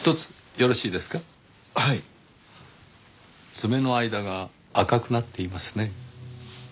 爪の間が赤くなっていますね。